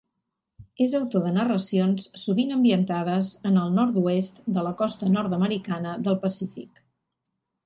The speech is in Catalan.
És autor de narracions sovint ambientades en el nord-oest de la costa nord-americana del Pacífic.